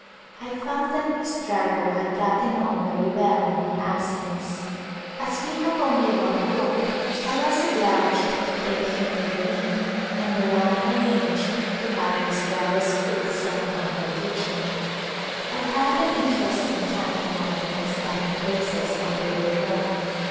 I found that Miss Driver had gotten on very well in my absence. As we have only one cook I was obliged to take him with me and the Rani ar ranged to have Miss Driver's food sent from her [ 292] A Visit to Besati kitchen. I had an interesting time at one of my stop ping places on the way home.